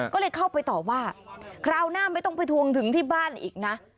ก็เลยเข้าไปตอบว่าคราวหน้าไม่ต้องไปทวงถึงที่บ้านอีกนะ